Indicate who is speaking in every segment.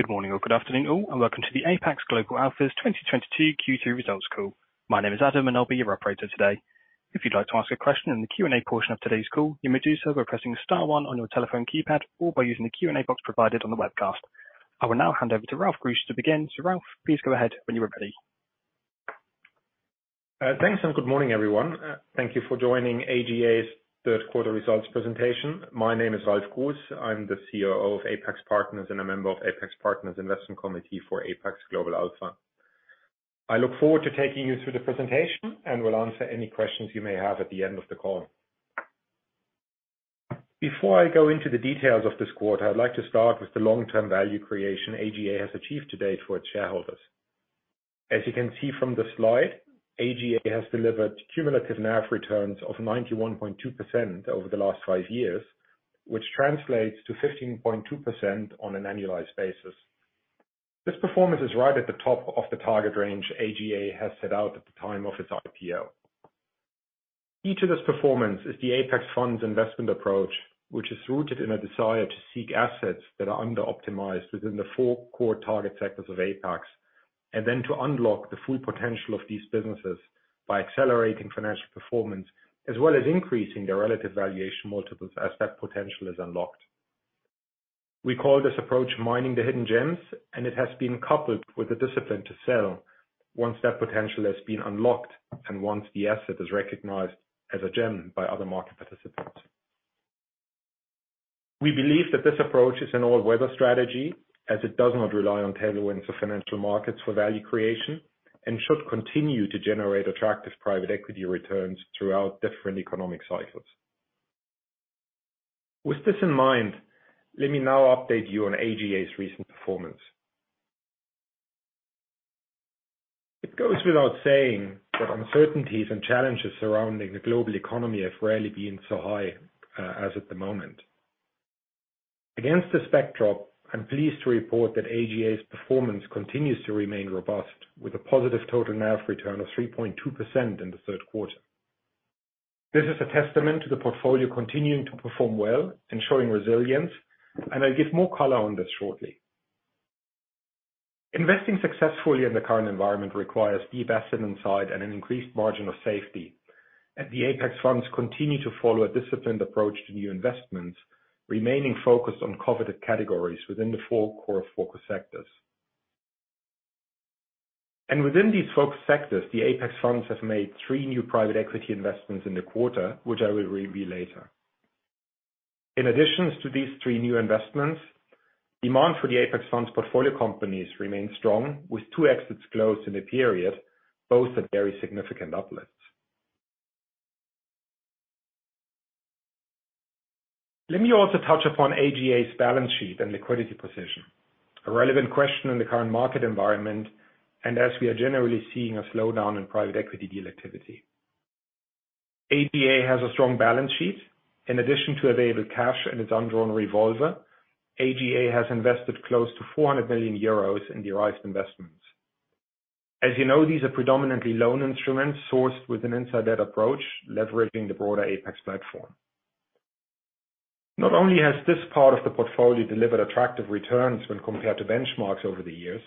Speaker 1: Good morning or good afternoon all and welcome to the Apax Global Alpha's 2022 Q2 results call. My name is Adam, and I'll be your operator today. If you'd like to ask a question in the Q&A portion of today's call, you may do so by pressing star one on your telephone keypad, or by using the Q&A box provided on the webcast. I will now hand over to Ralf Gruss to begin. Ralf, please go ahead when you are ready.
Speaker 2: Thanks, and good morning, everyone. Thank you for joining AGA's third quarter results presentation. My name is Ralf Gruss. I'm the COO of Apax Partners and a member of Apax Partners Investment Committee for Apax Global Alpha. I look forward to taking you through the presentation and will answer any questions you may have at the end of the call. Before I go into the details of this quarter, I'd like to start with the long-term value creation AGA has achieved to date for its shareholders. As you can see from the slide, AGA has delivered cumulative NAV returns of 91.2% over the last five years, which translates to 15.2% on an annualized basis. This performance is right at the top of the target range AGA has set out at the time of its IPO. Key to this performance is the Apax Funds investment approach, which is rooted in a desire to seek assets that are under-optimized within the four core target sectors of Apax, and then to unlock the full potential of these businesses by accelerating financial performance, as well as increasing their relative valuation multiples as that potential is unlocked. We call this approach mining the hidden gems, and it has been coupled with the discipline to sell once that potential has been unlocked, and once the asset is recognized as a gem by other market participants. We believe that this approach is an all-weather strategy, as it does not rely on tailwinds of financial markets for value creation, and should continue to generate attractive private equity returns throughout different economic cycles. With this in mind, let me now update you on AGA's recent performance. It goes without saying that uncertainties and challenges surrounding the global economy have rarely been so high as at the moment. Against this backdrop, I'm pleased to report that AGA's performance continues to remain robust, with a positive total NAV return of 3.2% in the third quarter. This is a testament to the portfolio continuing to perform well and showing resilience, and I'll give more color on this shortly. Investing successfully in the current environment requires deep asset insight and an increased margin of safety, and the Apax Funds continue to follow a disciplined approach to new investments, remaining focused on coveted categories within the four core focus sectors. Within these focus sectors, the Apax Funds have made three new private equity investments in the quarter, which I will review later. In addition to these three new investments, demand for the Apax Funds portfolio companies remains strong, with two exits closed in the period, both at very significant uplifts. Let me also touch upon AGA's balance sheet and liquidity position, a relevant question in the current market environment, and as we are generally seeing a slowdown in private equity deal activity. AGA has a strong balance sheet. In addition to available cash and its undrawn revolver, AGA has invested close to 400 million euros in derived investments. As you know, these are predominantly loan instruments sourced with an inside-out approach, leveraging the broader Apax platform. Not only has this part of the portfolio delivered attractive returns when compared to benchmarks over the years,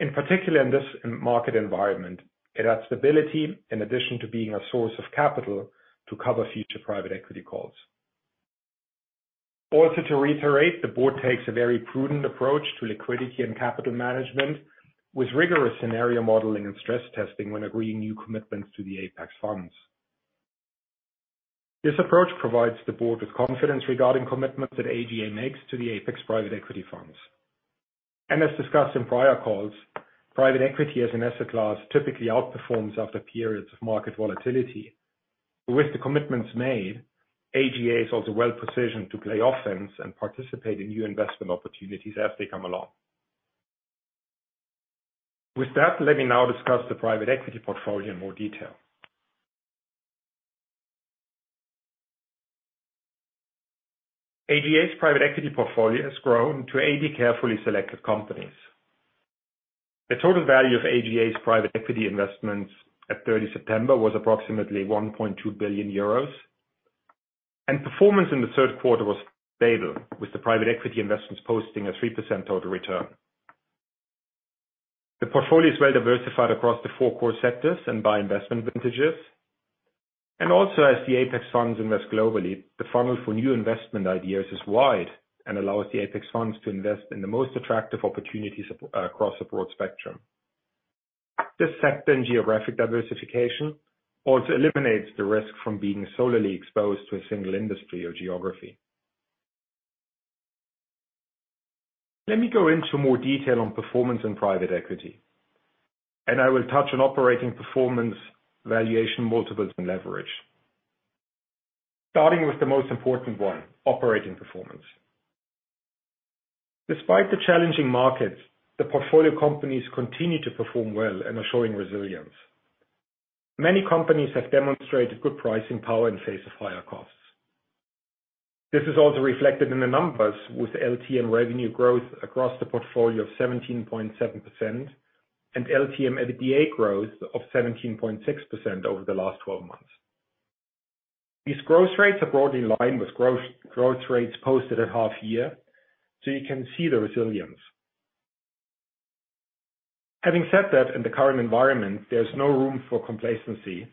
Speaker 2: in particular in this market environment, it adds stability in addition to being a source of capital to cover future private equity calls. Also to reiterate, the board takes a very prudent approach to liquidity and capital management with rigorous scenario modeling and stress testing when agreeing new commitments to the Apax Funds. This approach provides the board with confidence regarding commitments that AGA makes to the Apax private equity funds. As discussed in prior calls, private equity as an asset class typically outperforms after periods of market volatility. With the commitments made, AGA is also well-positioned to play offense and participate in new investment opportunities as they come along. With that, let me now discuss the private equity portfolio in more detail. AGA's private equity portfolio has grown to 80 carefully selected companies. The total value of AGA's private equity investments at 30 September was approximately 1.2 billion euros, and performance in the third quarter was stable, with the private equity investments posting a 3% total return. The portfolio is well diversified across the four core sectors and by investment vintages, and also as the Apax Funds invest globally, the funnel for new investment ideas is wide and allows the Apax Funds to invest in the most attractive opportunities across a broad spectrum. This sector and geographic diversification also eliminate the risk from being solely exposed to a single industry or geography. Let me go into more detail on performance and private equity, and I will touch on operating performance, valuation multiples, and leverage. Starting with the most important one, operating performance. Despite the challenging markets, the portfolio companies continue to perform well and are showing resilience. Many companies have demonstrated good pricing power in face of higher costs. This is also reflected in the numbers with LTM revenue growth across the portfolio of 17.7% and LTM EBITDA growth of 17.6% over the last 12 months. These growth rates are broadly in line with growth rates posted at half year, so you can see the resilience. Having said that, in the current environment, there's no room for complacency,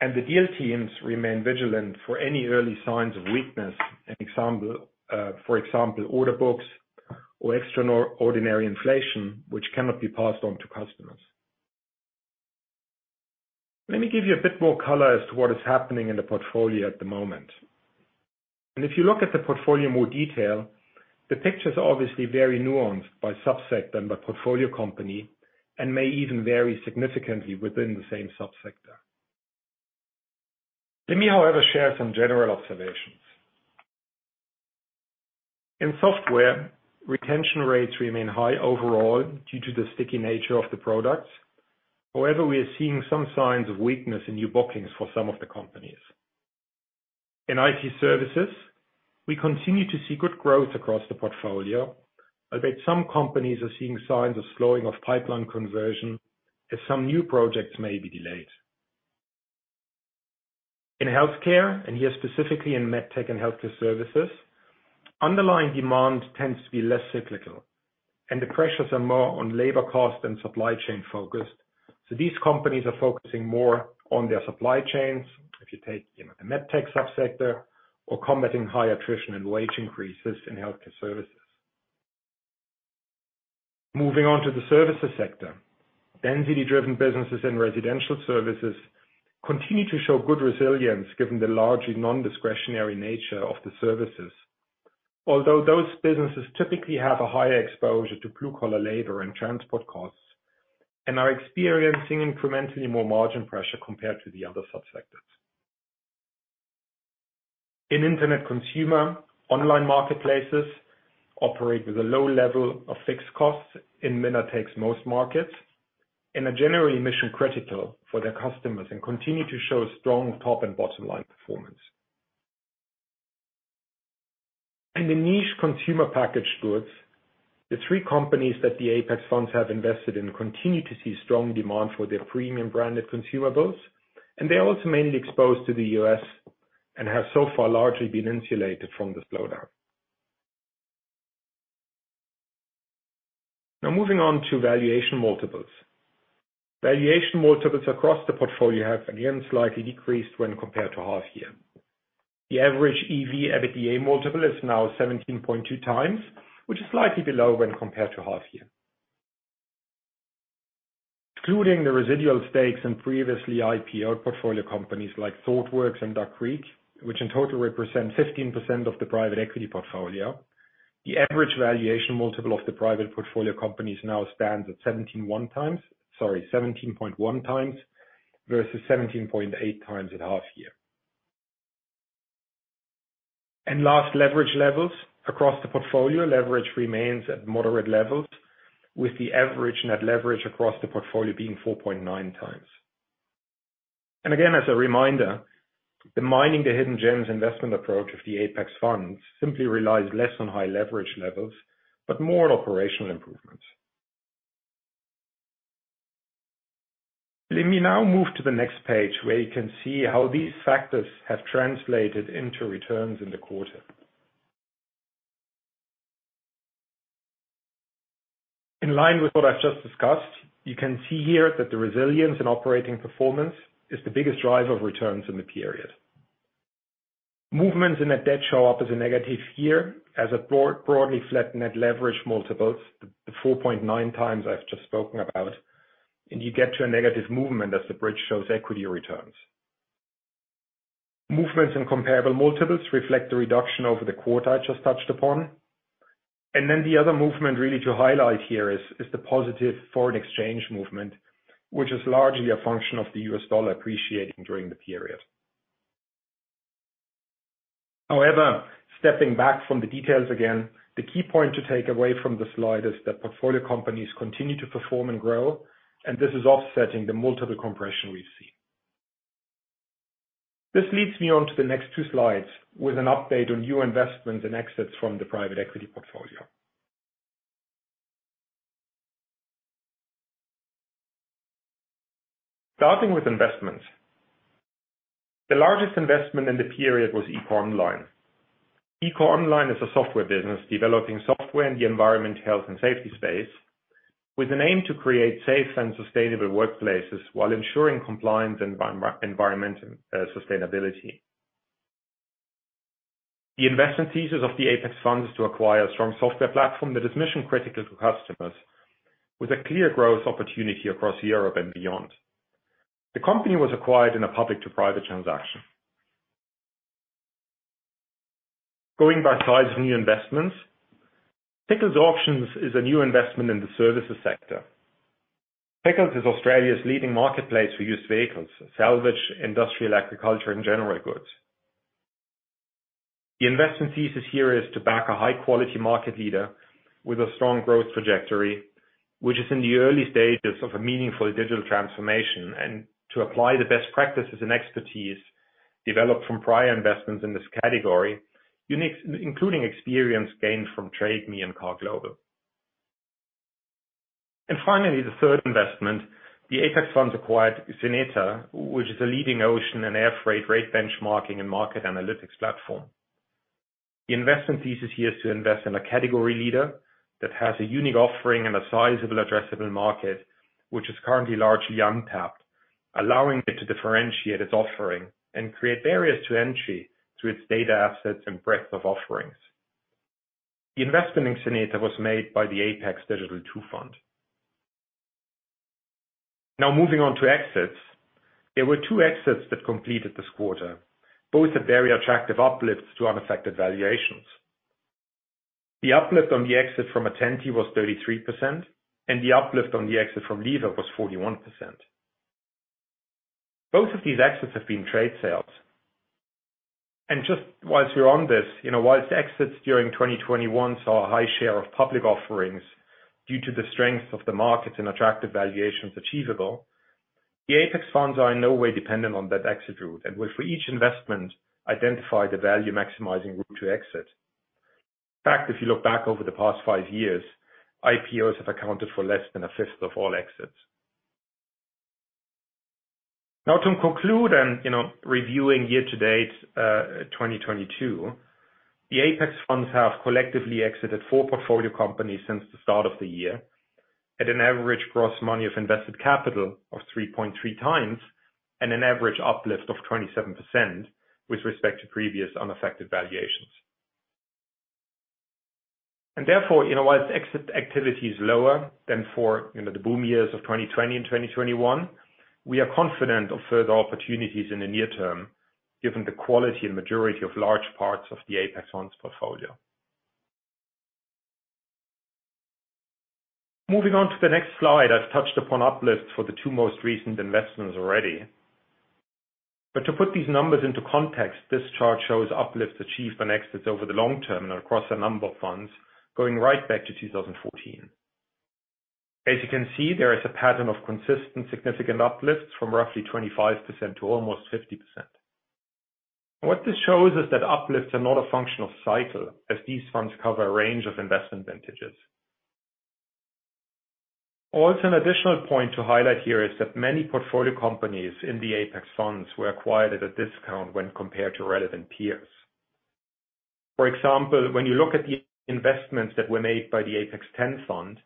Speaker 2: and the deal teams remain vigilant for any early signs of weakness. For example, order books or extraordinary inflation which cannot be passed on to customers. Let me give you a bit more color as to what is happening in the portfolio at the moment. If you look at the portfolio in more detail, the picture's obviously very nuanced by sub-sector and by portfolio company and may even vary significantly within the same sub-sector. Let me, however, share some general observations. In software, retention rates remain high overall due to the sticky nature of the products. However, we are seeing some signs of weakness in new bookings for some of the companies. In IT services, we continue to see good growth across the portfolio, albeit some companies are seeing signs of slowing of pipeline conversion as some new projects may be delayed. In healthcare, and here specifically in MedTech and healthcare services, underlying demand tends to be less cyclical, and the pressures are more on labor cost and supply chain focused. These companies are focusing more on their supply chains, if you take, you know, the MedTech subsector or combating high attrition and wage increases in healthcare services. Moving on to the services sector. Density-driven businesses and residential services continue to show good resilience given the largely non-discretionary nature of the services. Although those businesses typically have a higher exposure to blue-collar labor and transport costs and are experiencing incrementally more margin pressure compared to the other subsectors. In internet consumer, online marketplaces operate with a low level of fixed costs in winner-takes-most markets and are generally mission-critical for their customers and continue to show strong top and bottom-line performance. In the niche consumer packaged goods, the three companies that the Apax Funds have invested in continue to see strong demand for their premium branded consumables, and they are also mainly exposed to the U.S. and have so far largely been insulated from the slowdown. Now, moving on to valuation multiples. Valuation multiples across the portfolio have again slightly decreased when compared to half year. The average EV/EBITDA multiple is now 17.2x, which is slightly below when compared to half year. Excluding the residual stakes in previously IPO portfolio companies like ThoughtWorks and Duck Creek, which in total represent 15% of the private equity portfolio, the average valuation multiple of the private portfolio companies now stands at seventeen one times. Sorry, 17.1x versus 17.8x at half year. Last, leverage levels across the portfolio. Leverage remains at moderate levels, with the average net leverage across the portfolio being 4.9x. Again, as a reminder, the mining the hidden gems investment approach of the Apax funds simply relies less on high leverage levels, but more on operational improvements. Let me now move to the next page, where you can see how these factors have translated into returns in the quarter. In line with what I've just discussed, you can see here that the resilience in operating performance is the biggest driver of returns in the period. Movements in that debt show up as a negative here, as broadly flat net leverage multiples, the 4.9x I've just spoken about, and you get to a negative movement as the bridge shows equity returns. Movements in comparable multiples reflect the reduction over the quarter I just touched upon. The other movement really to highlight here is the positive foreign exchange movement, which is largely a function of the US dollar appreciating during the period. However, stepping back from the details again, the key point to take away from the slide is that portfolio companies continue to perform and grow, and this is offsetting the multiple compression we've seen. This leads me on to the next two slides with an update on new investments and exits from the private equity portfolio. Starting with investments. The largest investment in the period was EcoOnline. EcoOnline is a software business developing software in the environment, health and safety space with an aim to create safe and sustainable workplaces while ensuring compliance and environmental sustainability. The investment thesis of the Apax funds to acquire a strong software platform that is mission-critical to customers with a clear growth opportunity across Europe and beyond. The company was acquired in a public to private transaction. Going by size of new investments. Pickles Auctions is a new investment in the services sector. Pickles is Australia's leading marketplace for used vehicles, salvage, industrial, agriculture, and general goods. The investment thesis here is to back a high-quality market leader with a strong growth trajectory, which is in the early stages of a meaningful digital transformation, and to apply the best practices and expertise developed from prior investments in this category, including experience gained from Trade Me and CarExpert. Finally, the third investment, the Apax Funds acquired Xeneta, which is a leading ocean and airfreight rate benchmarking and market analytics platform. The investment thesis here is to invest in a category leader that has a unique offering and a sizable addressable market, which is currently largely untapped, allowing it to differentiate its offering and create barriers to entry to its data assets and breadth of offerings. The investment in Xeneta was made by the Apax Digital Fund II. Now moving on to exits. There were two exits that completed this quarter, both at very attractive uplifts to unaffected valuations. The uplift on the exit from Attenti was 33% and the uplift on the exit from Lexitas was 41%. Both of these exits have been trade sales. Just while we're on this, you know, while exits during 2021 saw a high share of public offerings due to the strength of the markets and attractive valuations achievable, the Apax funds are in no way dependent on that exit route and will for each investment identify the value maximizing route to exit. In fact, if you look back over the past five years, IPOs have accounted for less than a fifth of all exits. Now to conclude and, you know, reviewing year-to-date, 2022, the Apax funds have collectively exited four portfolio companies since the start of the year at an average gross multiple of invested capital of 3.3x and an average uplift of 27% with respect to previous unaffected valuations. You know, while exit activity is lower than for, you know, the boom years of 2020 and 2021, we are confident of further opportunities in the near term, given the quality and maturity of large parts of the Apax Funds portfolio. Moving on to the next slide. I've touched upon uplifts for the two most recent investments already. To put these numbers into context, this chart shows uplifts achieved on exits over the long term and across a number of funds going right back to 2014. As you can see, there is a pattern of consistent significant uplifts from roughly 25% to almost 50%. What this shows is that uplifts are not a function of cycle as these funds cover a range of investment vintages. Also, an additional point to highlight here is that many portfolio companies in the Apax funds were acquired at a discount when compared to relevant peers. For example, when you look at the investments that were made by the Apax X Fund,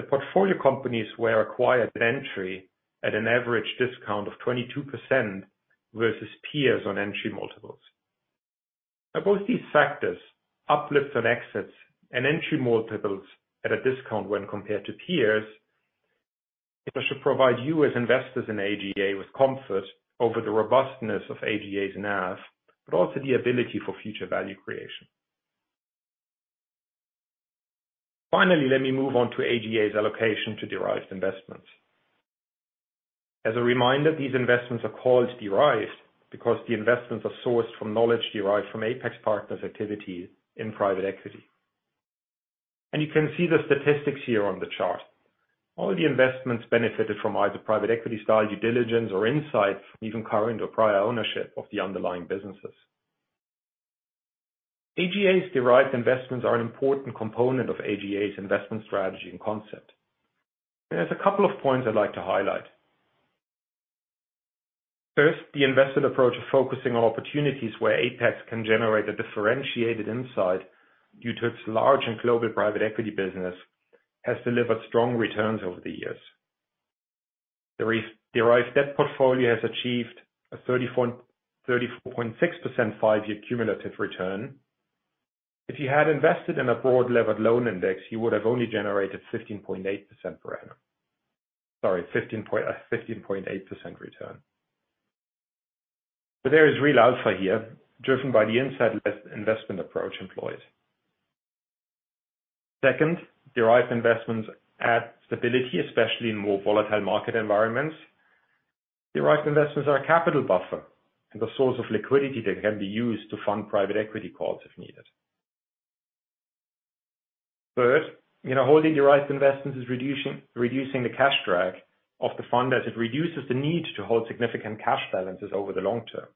Speaker 2: the portfolio companies were acquired at entry at an average discount of 22% versus peers on entry multiples. Now both these factors, uplifts on exits and entry multiples at a discount when compared to peers, it should provide you as investors in AGA with comfort over the robustness of AGA's NAV, but also the ability for future value creation. Finally, let me move on to AGA's allocation to derived investments. As a reminder, these investments are called derived because the investments are sourced from knowledge derived from Apax Partners' activity in private equity. You can see the statistics here on the chart. All the investments benefited from either private equity style due diligence or insights, even current or prior ownership of the underlying businesses. AGA's derived investments are an important component of AGA's investment strategy and concept. There's a couple of points I'd like to highlight. First, the invested approach of focusing on opportunities where Apax can generate a differentiated insight due to its large and global private equity business has delivered strong returns over the years. The derived debt portfolio has achieved a 34.6% five-year cumulative return. If you had invested in a broad leveraged loan index, you would have only generated 15.8% per annum. Sorry, 15.8% return. There is real alpha here, driven by the insights-driven investment approach employed. Second, Derived Investments add stability, especially in more volatile market environments. Derived Investments are a capital buffer and the source of liquidity that can be used to fund capital calls if needed. Third, you know, holding Derived Investments is reducing the cash drag of the fund as it reduces the need to hold significant cash balances over the long term.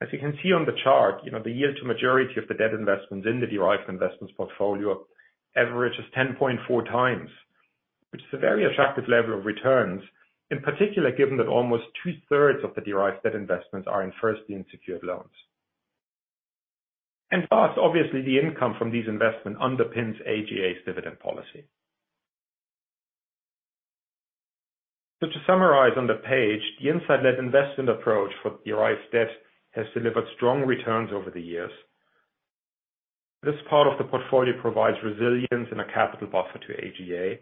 Speaker 2: As you can see on the chart, you know, the weighted average of the debt investments in the derived investments portfolio averages 10.4x, which is a very attractive level of returns, in particular, given that almost two-thirds of the derived debt investments are in first lien secured loans. Last, obviously, the income from these investments underpins AGA's dividend policy. To summarize on the page, the insight-led investment approach for derived debt has delivered strong returns over the years. This part of the portfolio provides resilience and a capital buffer to AGA,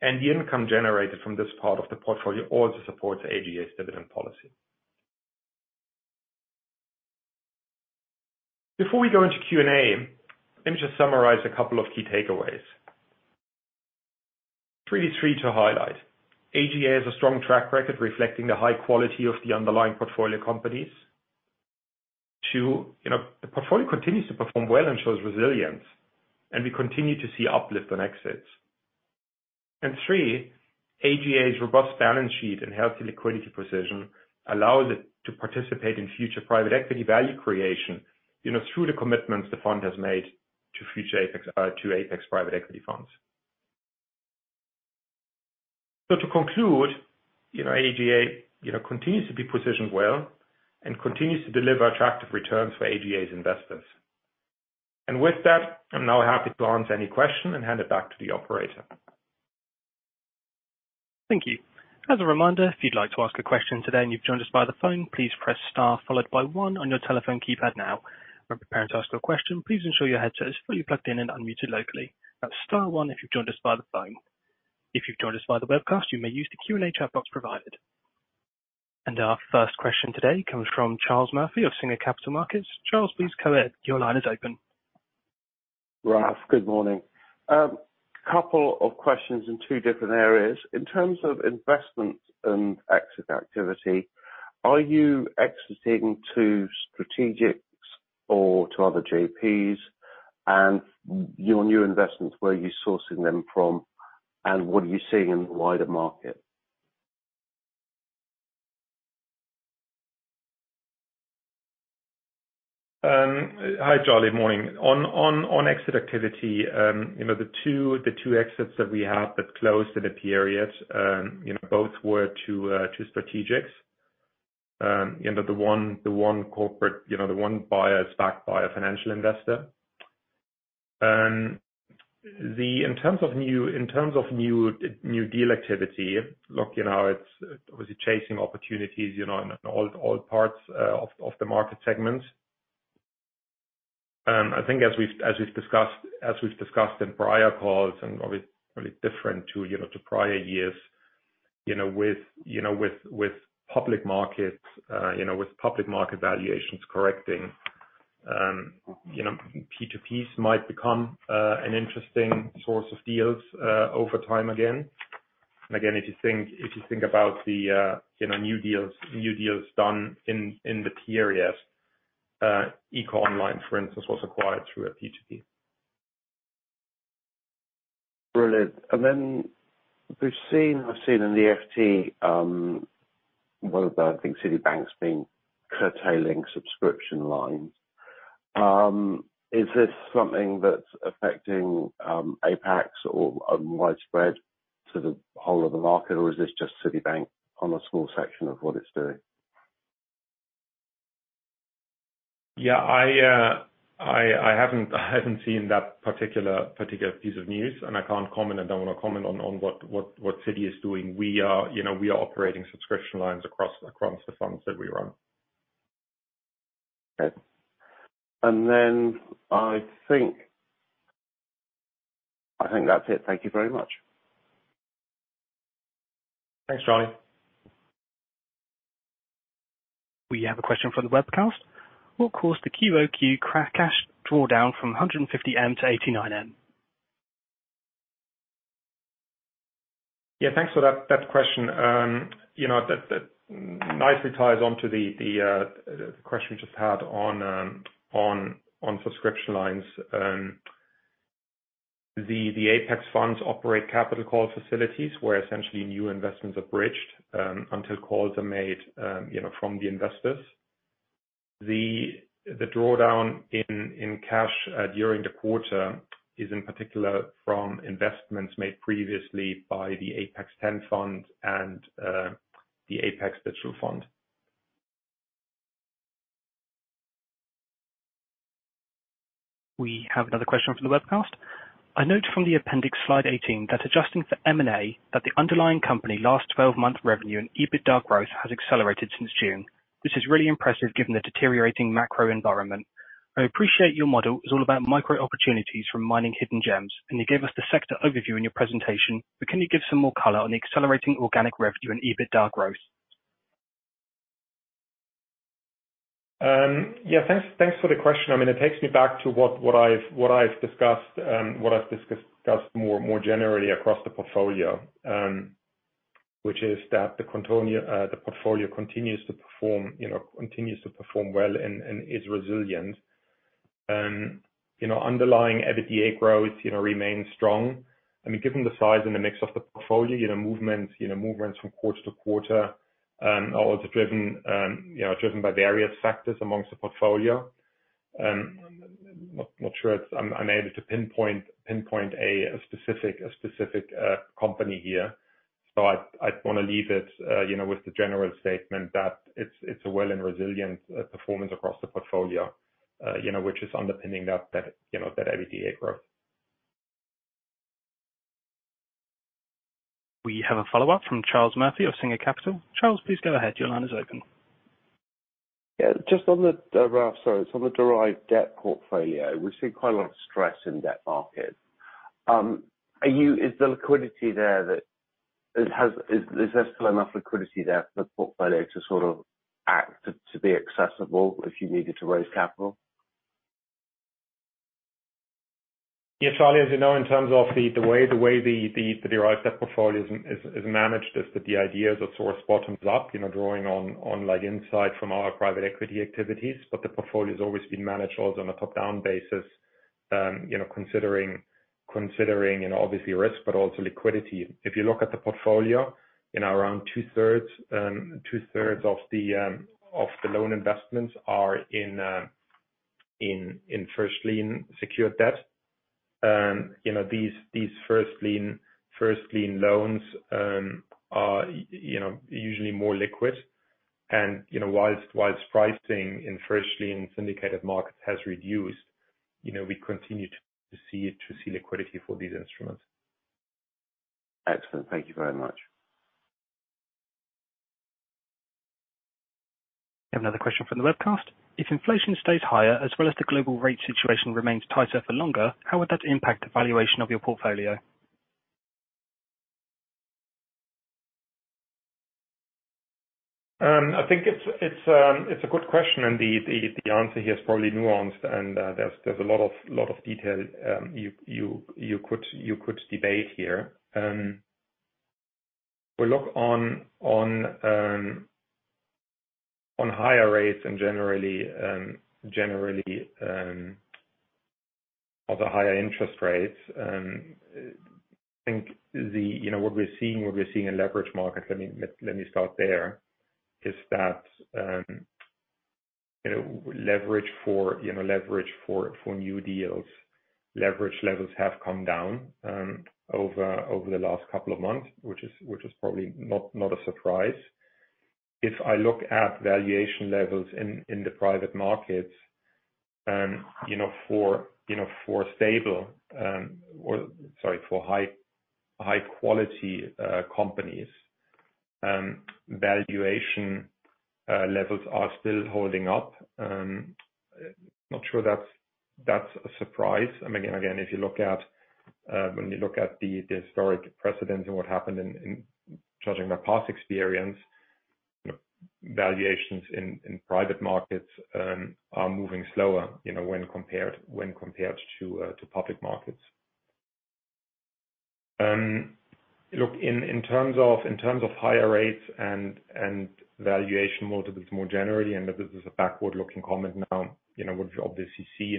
Speaker 2: and the income generated from this part of the portfolio also supports AGA's dividend policy. Before we go into Q&A, let me just summarize a couple of key takeaways. Really three to highlight. AGA has a strong track record reflecting the high quality of the underlying portfolio companies. Two, you know, the portfolio continues to perform well and shows resilience, and we continue to see uplift on exits. Three, AGA's robust balance sheet and healthy liquidity position allows it to participate in future private equity value creation, you know, through the commitments the fund has made to future Apax private equity funds. To conclude, you know, AGA, you know, continues to be positioned well and continues to deliver attractive returns for AGA's investors. With that, I'm now happy to answer any question and hand it back to the operator.
Speaker 1: Thank you. As a reminder, if you'd like to ask a question today, and you've joined us by the phone, please press star followed by one on your telephone keypad now. When preparing to ask your question, please ensure your headset is fully plugged in and unmuted locally. That's Star one if you've joined us by the phone. If you've joined us via the webcast, you may use the Q&A chat box provided. Our first question today comes from Charles Murphy of Singer Capital Markets. Charles, please go ahead. Your line is open.
Speaker 3: Ralf, good morning. Couple of questions in two different areas. In terms of investments and exit activity, are you exiting to strategics or to other GPs? Your new investments, where are you sourcing them from, and what are you seeing in the wider market?
Speaker 2: Hi, Charles. Morning. On exit activity, you know, the two exits that we have that closed in the period, you know, both were to strategics. You know, the one corporate, you know, the one buyer is backed by a financial investor. In terms of new deal activity, look, you know, it's obviously chasing opportunities, you know, in all parts of the market segments. I think as we've discussed in prior calls and obviously different to prior years, you know, with public markets, you know, with public market valuations correcting, you know, P2Ps might become an interesting source of deals over time again. Again, if you think about the, you know, new deals done in the periods, EcoOnline, for instance, was acquired through a P2P.
Speaker 3: Brilliant. Then we've seen, I've seen in the FT, one of the, I think, Citibank's been curtailing subscription lines. Is this something that's affecting Apax or widespread to the whole of the market, or is this just Citibank on a small section of what it's doing?
Speaker 2: Yeah, I haven't seen that particular piece of news, and I can't comment and don't wanna comment on what Citi is doing. We are, you know, operating subscription lines across the funds that we run.
Speaker 3: Okay. I think that's it. Thank you very much.
Speaker 2: Thanks, Charles.
Speaker 1: We have a question from the webcast. What caused the QOQ cash drawdown from 150 million to 89 million?
Speaker 2: Yeah, thanks for that question. You know, that nicely ties onto the question we just had on subscription lines. The Apax funds operate capital call facilities where essentially new investments are bridged until calls are made, you know, from the investors. The drawdown in cash during the quarter is in particular from investments made previously by the Apax X Fund and the Apax Digital Fund.
Speaker 1: We have another question from the webcast. I note from the appendix slide 18 that adjusting for M&A, that the underlying company last 12-month revenue and EBITDA growth has accelerated since June. This is really impressive given the deteriorating macro environment. I appreciate your model is all about micro-opportunities from mining hidden gems, and you gave us the sector overview in your presentation. Can you give some more color on the accelerating organic revenue and EBITDA growth?
Speaker 2: Yeah. Thanks for the question. I mean, it takes me back to what I've discussed more generally across the portfolio, which is that the portfolio continues to perform well and is resilient. You know, underlying EBITDA growth remains strong. I mean, given the size and the mix of the portfolio, you know, movements from quarter-to-quarter are also driven by various factors among the portfolio. I'm not sure. I'm unable to pinpoint a specific company here. I'd wanna leave it, you know, with the general statement that it's a well and resilient performance across the portfolio, you know, which is underpinning that you know that EBITDA growth.
Speaker 1: We have a follow-up from Charles Murphy of Singer Capital Markets. Charles, please go ahead. Your line is open.
Speaker 3: Yeah. Just on the Ralf, sorry. On the derived debt portfolio, we've seen quite a lot of stress in debt markets. Is there still enough liquidity there for the portfolio to sort of act to be accessible if you needed to raise capital?
Speaker 2: Yeah, Charles. As you know, in terms of the way the derived debt portfolio is managed is that the ideas are sourced bottom up, you know, drawing on, like, insight from our private equity activities. The portfolio's always been managed also on a top-down basis. You know, considering and obviously risk, but also liquidity. If you look at the portfolio, around two-thirds of the loan investments are in first lien secured debt. You know, these first lien loans are, you know, usually more liquid and, you know, while pricing in first lien syndicated markets has reduced, you know, we continue to see liquidity for these instruments.
Speaker 3: Excellent. Thank you very much.
Speaker 1: We have another question from the webcast. If inflation stays higher as well as the global rate situation remains tighter for longer, how would that impact the valuation of your portfolio?
Speaker 2: I think it's a good question, and the answer here is probably nuanced and there's a lot of detail you could debate here. We look on higher rates and generally other higher interest rates. I think, you know, what we're seeing in leverage markets, let me start there, is that, you know, leverage for new deals. Leverage levels have come down over the last couple of months, which is probably not a surprise. If I look at valuation levels in the private markets, you know, for stable, or sorry, for high quality companies, valuation levels are still holding up. Not sure that's a surprise. I mean, again, if you look at the historic precedents and what happened in judging the past experience, you know, valuations in private markets are moving slower, you know, when compared to public markets. Look, in terms of higher rates and valuation multiples more generally, and this is a backward-looking comment now, you know, what we obviously see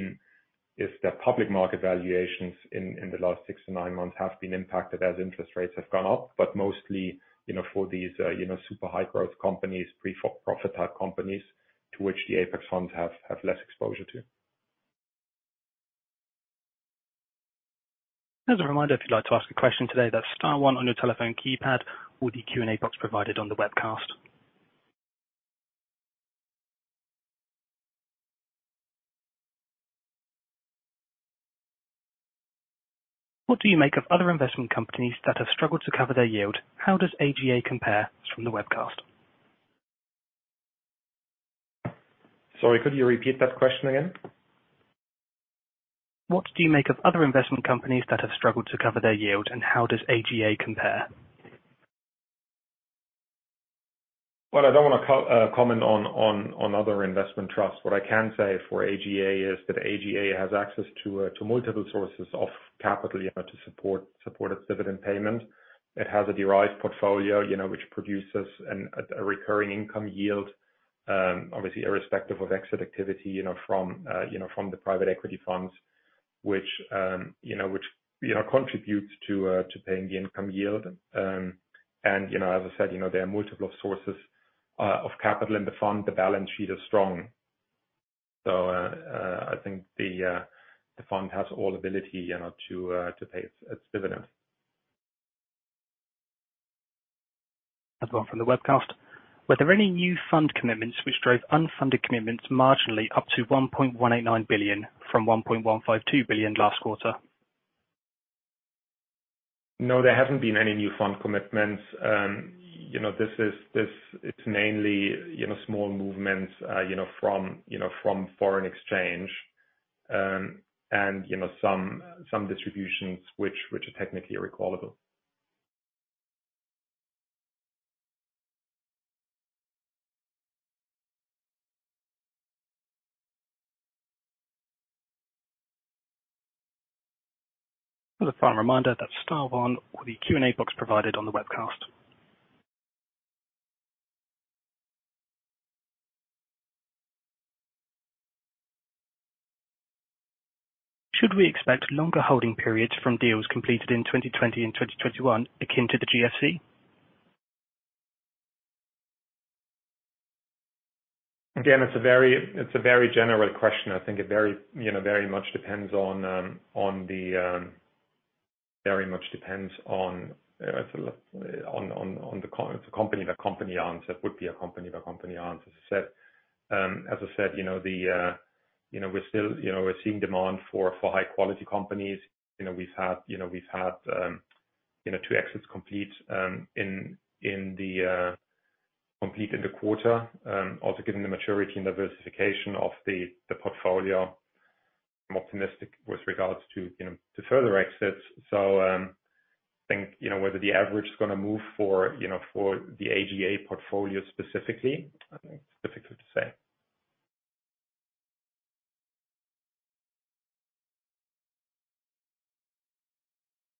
Speaker 2: is that public market valuations in the last six-nine months have been impacted as interest rates have gone up, but mostly, you know, for these super high growth companies, pre-pro-profit type companies to which the Apax funds have less exposure to.
Speaker 1: As a reminder, if you'd like to ask a question today, that's star one on your telephone keypad or the Q&A box provided on the webcast. What do you make of other investment companies that have struggled to cover their yield? How does AGA compare? This is from the webcast.
Speaker 2: Sorry, could you repeat that question again?
Speaker 1: What do you make of other investment companies that have struggled to cover their yield, and how does AGA compare?
Speaker 2: Well, I don't wanna comment on other investment trusts. What I can say for AGA is that AGA has access to multiple sources of capital, you know, to support its dividend payment. It has a derived portfolio, you know, which produces a recurring income yield, obviously irrespective of exit activity, you know, from the private equity funds which contributes to paying the income yield. You know, as I said, you know, there are multiple sources of capital in the fund. The balance sheet is strong. I think the fund has the ability, you know, to pay its dividends.
Speaker 1: Next one from the webcast. Were there any new fund commitments which drove unfunded commitments marginally up to 1.189 billion from 1.152 billion last quarter?
Speaker 2: No, there hasn't been any new fund commitments. You know, this is mainly, you know, small movements, you know, from, you know, from foreign exchange, and, you know, some distributions which are technically irrevocable.
Speaker 1: As a final reminder, that's star one or the Q&A box provided on the webcast. Should we expect longer holding periods from deals completed in 2020 and 2021 akin to the GFC?
Speaker 2: Again, it's a very general question. I think it very much depends on. It's a company-by-company answer. It would be a company-by-company answer. As I said, you know, we're still seeing demand for high quality companies. You know, we've had two exits complete in the quarter. Also given the maturity and diversification of the portfolio, I'm optimistic with regards to further exits. I think whether the average is gonna move for the AGA portfolio specifically, it's difficult to say.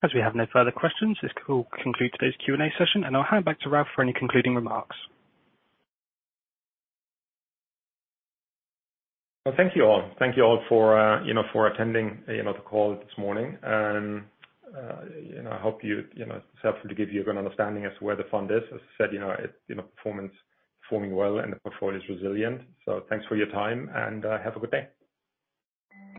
Speaker 1: As we have no further questions, this will conclude today's Q&A session, and I'll hand back to Ralf for any concluding remarks.
Speaker 2: Well, thank you all for, you know, attending, you know, the call this morning. You know, I hope, you know, it's helpful to give you a good understanding as to where the fund is. As I said, you know, it's performing well and the portfolio is resilient. Thanks for your time and have a good day.